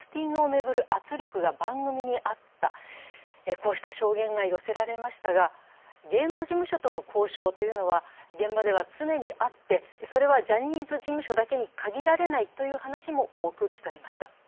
こうした証言が寄せられましたが芸能事務所との交渉というのは現場では常にあって、それはジャニーズ事務所だけに限られないという話も多く聞かれました。